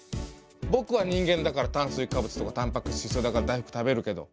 ぼくは人間だから炭水化物とかタンパク質必要だから大福食べるけど。